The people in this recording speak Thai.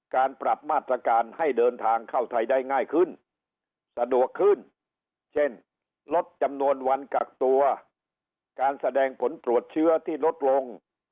การปรับมาตรการให้เดินทางเข้าไทยได้ง่ายขึ้นสะดวกขึ้นเช่นลดจำนวนวันกักตัวการแสดงผลตรวจเชื้อที่ลดลง